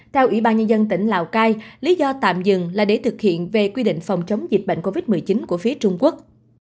theo ủy ban nhân dân tỉnh lào cai lý do tạm dừng là để thực hiện về quy định phòng chống dịch bệnh covid một mươi chín của phía trung quốc